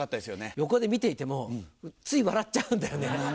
横で見ていてもつい笑っちゃうんだよね。